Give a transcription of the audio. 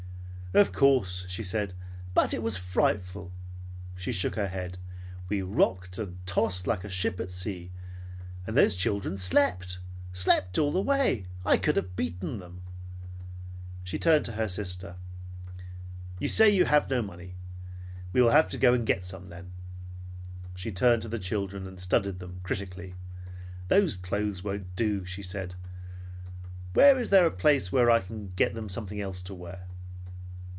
"Of course," she said, "but it was frightful." She shook her head. "We rocked and tossed like a ship at sea. And those children slept. Slept all the way. I could have beaten them!" She turned to her sister. "You say you have no money? We will have to go and get some then." She turned to the children and studied them critically. "Those clothes won't do," she said. "Where is there a place where I can get them something else to wear?"